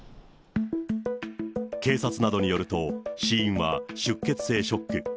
警察などによると、死因は出血性ショック。